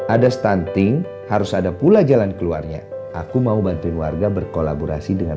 ada stunting harus ada pula jalan keluarnya aku mau bantuin warga berkolaborasi dengan